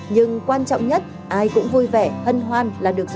nhưng quan trọng nhất ai cũng vui vẻ hân hoan